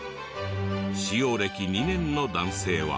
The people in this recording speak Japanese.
使用歴２年の男性は。